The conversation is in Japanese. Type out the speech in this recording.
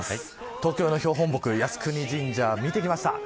東京の標本木を見てきました。